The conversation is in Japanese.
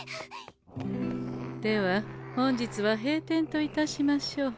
では本日は閉店といたしましょう。